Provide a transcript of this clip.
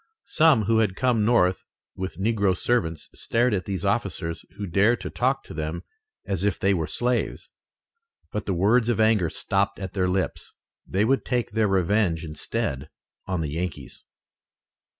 Some who had come north with negro servants stared at these officers who dared to talk to them as if they were slaves. But the words of anger stopped at their lips. They would take their revenge instead on the Yankees.